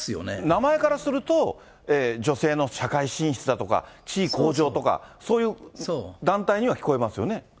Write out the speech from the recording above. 名前からすると、女性の社会進出だとか、地位向上とか、そういう団体には聞こえますよね。